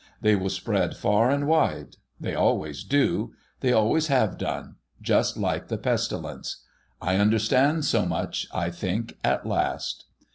They will spread far and wide. They always do ; they always have done — just like the pestilence. I understand so much, I think, at last.'